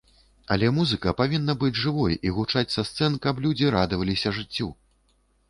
Але музыка павінна быць жывой і гучаць са сцэн, каб людзі радаваліся жыццю!